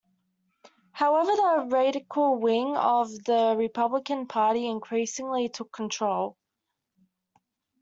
However, the radical wing of the Republican Party increasingly took control.